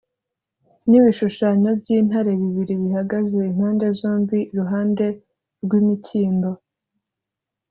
n’ibishushanyo by’intare bibiri bihagaze impande zombi, iruhande rw’imikindo